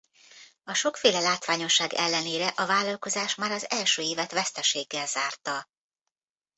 A sokféle látványosság ellenére a vállalkozás már az első évet veszteséggel zárta.